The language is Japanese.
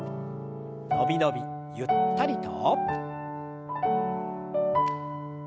伸び伸びゆったりと。